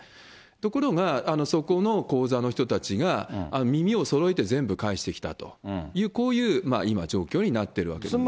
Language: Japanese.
ところがそこの口座の人たちが耳をそろえて全部返してきたという、こういう今状況になってるわけです。